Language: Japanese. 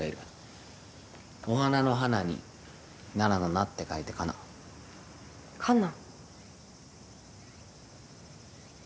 お花の「花」に奈良の「奈」って書いて花奈。かな。